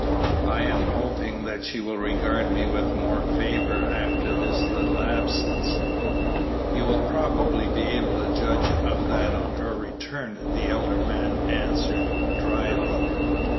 I am hoping that she will regard me with more favor after this little absence." "You will probably be able to judge of that on her return," the elder man answered, dryly.